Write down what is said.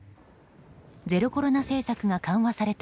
ゼロコロナ政策が緩和された